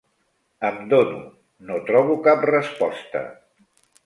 Em dono: no trobo cap resposta.